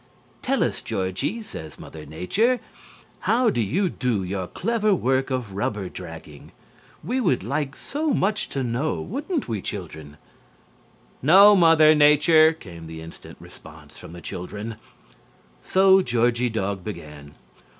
"Tell us, Georgie," said Mother Nature, "how do you do your clever work of rubber dragging? We would like so much to know. Wouldn't we, children?" "No, Mother Nature!" came the instant response from the children. So Georgie Dog began.